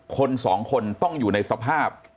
คนสองคนต้องอยู่ในสภาพ